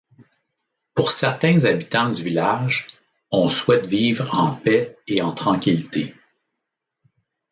Pour certains habitants du village, on souhaite vivre en paix et en tranquillité.